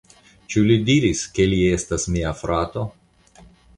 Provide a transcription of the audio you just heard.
Ĉu li diris, ke li estas mia frato?